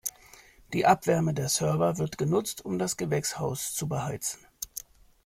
Die Abwärme der Server wird genutzt, um das Gewächshaus zu beheizen.